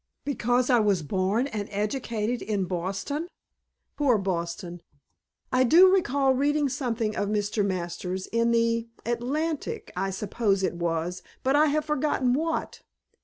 "Because I was born and educated in Boston? Poor Boston! I do recall reading something of Mr. Masters' in the Atlantic I suppose it was but I have forgotten what.